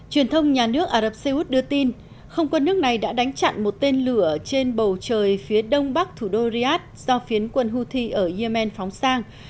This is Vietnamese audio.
truyền thông nhà nước ả rập xê út đưa tin không quân nước này đã đánh chặn một tên lửa trên bầu trời phía đông bắc thủ đô riyadh do phiến quân houthi ở yemen phóng sang